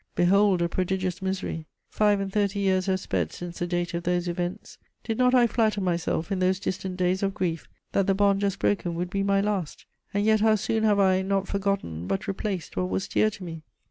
Behold a prodigious misery: five and thirty years have sped since the date of those events. Did not I flatter myself, in those distant days of grief, that the bond just broken would be my last? And yet how soon have I, not forgotten, but replaced what was dear to me!